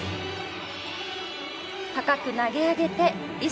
高く投げ上げてリスク。